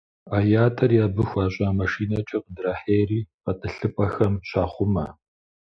А ятӏэри абы хуэщӏа машинэкӏэ къыдрахьейри, гъэтӏылъыпӏэхэм щахъумэ.